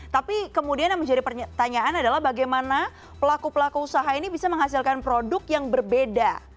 tapi kemudian yang menjadi pertanyaan adalah bagaimana pelaku pelaku usaha ini bisa menghasilkan produk yang berbeda